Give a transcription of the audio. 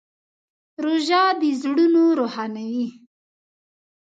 روژه د زړونو روښانوي.